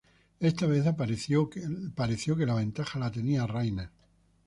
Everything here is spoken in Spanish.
Esta vez, pareció que la ventaja la tenía Rayner.